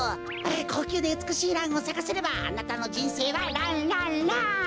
こうきゅうでうつくしいランをさかせればあなたのじんせいはランランラン！